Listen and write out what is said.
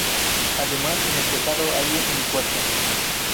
Además, en el tejado, hay un helipuerto.